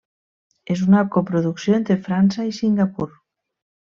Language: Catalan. És una coproducció entre França i Singapur.